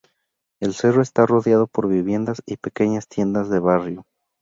El cerro está rodeado por viviendas y pequeñas tiendas de barrio.